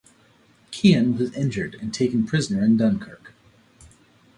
Keun was injured and taken prisoner in Dunkirk.